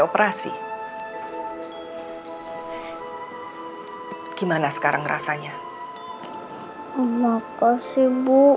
terima kasih bu